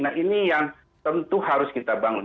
nah ini yang tentu harus kita bangun